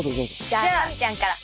じゃあかみちゃんから。